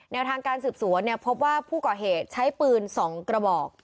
ทางการสืบสวนพบว่าผู้ก่อเหตุใช้ปืน๒กระบอก